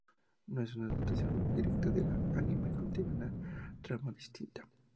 No es una adaptación directa del anime y contiene una trama distinta.